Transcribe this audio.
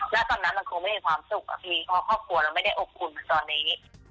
แล้วตอนนั้นมันคงไม่ได้ความสุขก็คือพ่อครัวเราไม่ได้อบคุณตอนนี้